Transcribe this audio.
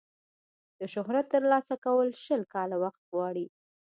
د شهرت ترلاسه کول شل کاله وخت غواړي.